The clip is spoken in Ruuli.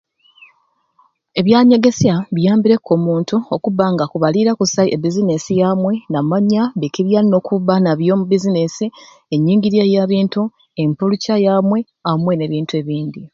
Ebyanyegesya biyambireku omuntu okuba nga akubaliira kusai e business yamwei namanya biki byayina okuba nabyo omu business enyingirya yabintu empuluca yamwei amwei ne bintu ebindi